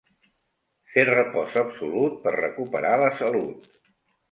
Fer repòs absolut per recuperar la salut.